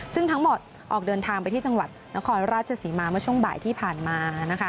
ซึ่งทั้งหมดออกเดินทางไปที่จังหวัดนครราชศรีมาเมื่อช่วงบ่ายที่ผ่านมานะคะ